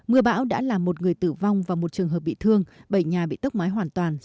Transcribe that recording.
mưa bão đã làm một người tử vong và một trường hợp bị thương bảy nhà bị tốc máy hoàn toàn